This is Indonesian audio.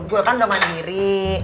gue kan udah mandiri